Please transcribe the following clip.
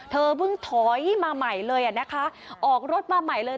เธอเพิ่งถอยมาใหม่เลยอ่ะนะคะออกรถมาใหม่เลย